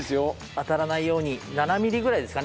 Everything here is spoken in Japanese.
当たらないように７ミリぐらいですかね